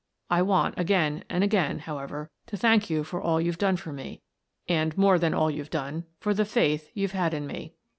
I want again and again, however, to thank you for all you've done for me — and, more than all you've done, for all the faith you've had in me."